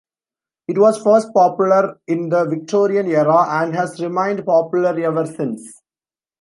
It was first popular in the Victorian era and has remained popular ever since.